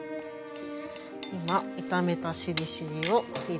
今炒めたしりしりーを入れ。